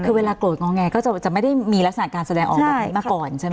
คือเวลาโกรธงอแงก็จะไม่ได้มีลักษณะการแสดงออกแบบนี้มาก่อนใช่ไหม